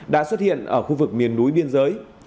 đã xuất hiện ở khu vực miền núi biên giới